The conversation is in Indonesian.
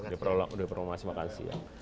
diplomasi makan siang